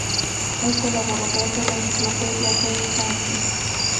Es colaborador de la "Enciclopedia dei santi".